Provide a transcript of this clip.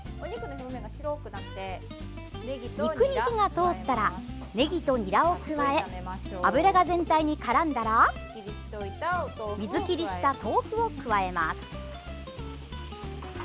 肉に火が通ったらねぎとにらを加え油が全体にからんだら水切りした豆腐を加えます。